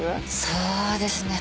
そうですね。